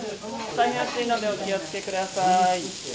大変熱いのでお気をつけください。